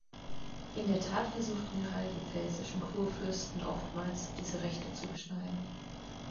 In der Tat versuchten gerade die pfälzischen Kurfürsten oftmals, diese Rechte zu beschneiden.